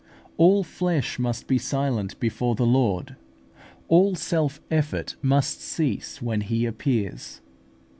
All flesh must be silent before the Lord (see Zech. ii. 13). All self effort must cease when He appears.